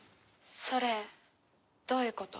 それどういうこと？